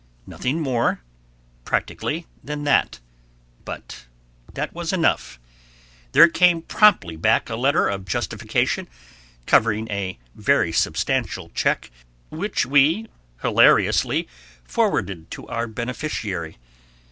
Nothing more, practically, than that, but that was enough; there came promptly back a letter of justification, covering a very substantial check, which we hilariously forwarded to our beneficiary.